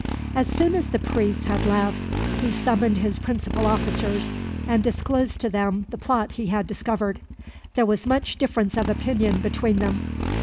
As soon as the priests had left, he summoned his principal officers, and disclosed to them the plot he had discovered. There was much difference of opinion between them.